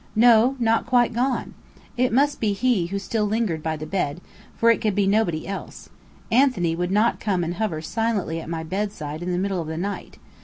No, not quite gone! It must be he who still lingered by the bed, for it could be nobody else. Anthony would not come and hover silently at my bedside in the middle of the night.